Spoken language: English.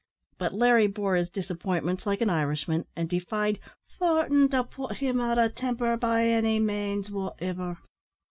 But Larry bore his disappointments like an Irishman, and defied "fortin' to put him out of timper by any manes wotiver."